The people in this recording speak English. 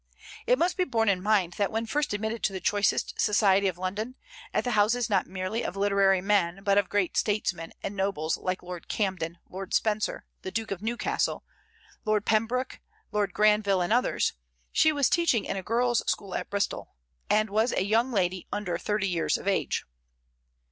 It must be borne in mind that when first admitted to the choicest society of London, at the houses not merely of literary men, but of great statesmen and nobles like Lord Camden, Lord Spencer, the Duke of Newcastle. Lord Pembroke, Lord Granville, and others, she was teaching in a girls' school at Bristol, and was a young lady under thirty years of age.